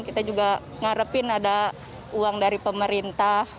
kita juga ngarepin ada uang dari pemerintah